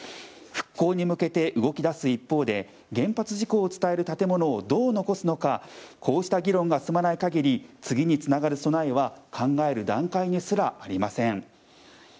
復興に向けて動き出す一方で原発事故を伝える建物をどう残すのかこうした議論が進まない限り次につながる備えは考える段階にすらありません。